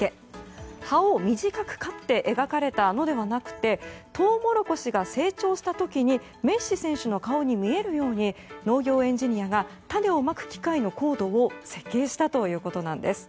葉を短く刈って描かれたのではなくてトウモロコシが成長した時にメッシ選手の顔に見えるように農業エンジニアが種をまく機械のコードを設計したということなんです。